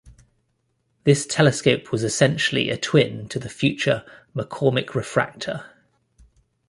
This telescope was essentially a twin to the future McCormick Refractor.